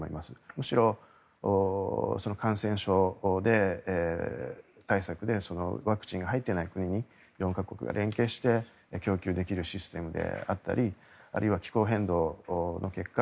むしろ、感染症対策でワクチンが入っていない国に４か国が連携して供給できるシステムであったりあるいは気候変動の結果